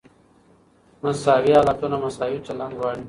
مساوي حالتونه مساوي چلند غواړي.